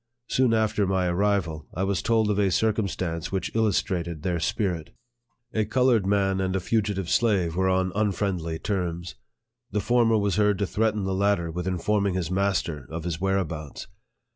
Soon after my arrival, I was told of a circumstance which illustrated their spirit. A colored man and a fugitive slave were on unfriendly terms. The former was heard to threaten the latter with in forming his master of his whereabouts.